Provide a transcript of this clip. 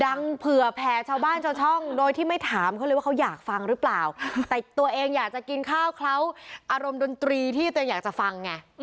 ยังเผื่อแผ่ชาวบ้านชาวช่องโดยที่ไม่ถามเขาเลยว่าเขาอยากฟังหรือเปล่าแต่ตัวเองอยากจะกินข้าวเคล้าอารมณ์ดนตรีที่ตัวเองอยากจะฟังไง